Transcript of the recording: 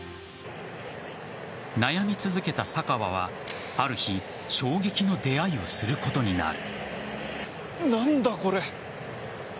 悩み続けた坂和は、ある日衝撃の出会いをすることになる。